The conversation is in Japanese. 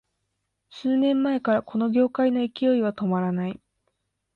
数年前からこの業界の勢いは止まらない